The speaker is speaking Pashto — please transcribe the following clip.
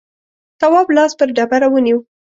تواب لاس پر ډبره ونيو.